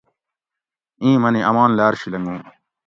این منی امان لاۤر شی لنگو